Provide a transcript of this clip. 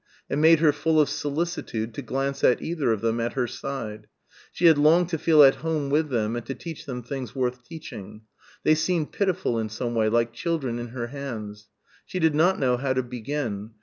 It made her full of solicitude to glance at either of them at her side. She had longed to feel at home with them and to teach them things worth teaching; they seemed pitiful in some way, like children in her hands. She did not know how to begin.